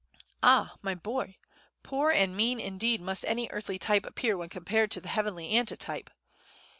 "Ah, my boy! poor and mean indeed must any earthly type appear when compared to the heavenly Antitype!"